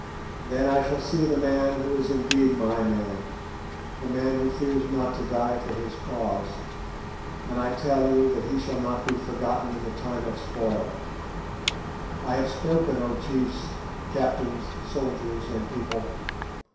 Then I shall see the man who is indeed my man, the man who fears not to die for his cause; and I tell you that he shall not be forgotten in the time of spoil. I have spoken, O chiefs, captains, soldiers, and people.